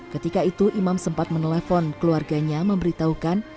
ketika itu imam sempat menelpon keluarganya memberitahukan